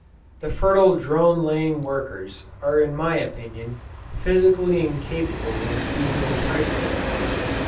The fertile drone laying workers, are in my opinion, physically incapable of being impregnated.